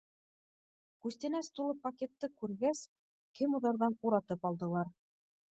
Күстәнәс тулы пакетты күргәс, кемуҙарҙан уратып алдылар.